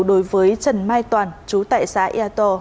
đối với trần mai toàn trú tại xã eator